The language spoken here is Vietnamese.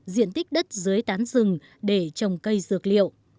diện tích đất dưới tán rừng để trồng cây dược liệu